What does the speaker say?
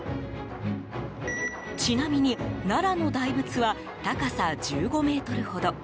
ちなみに、奈良の大仏は高さ１５ｍほど。